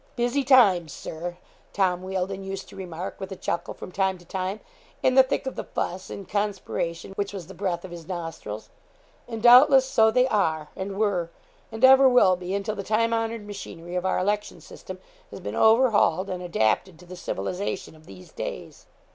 'Busy times, Sir!' Tom Wealdon used to remark, with a chuckle, from time to time, in the thick of the fuss and conspiration which was the breath of his nostrils; and, doubtless, so they are, and were, and ever will be, until the time honoured machinery of our election system has been overhauled, and adapted to the civilisation of these days.